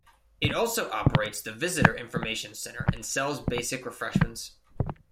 It also operates the Visitor Information Centre and sells basic refreshments.